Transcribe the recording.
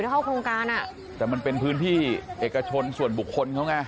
เข้าโครงการอ่ะแต่มันเป็นพื้นที่เอกชนส่วนบุคคลเขาไง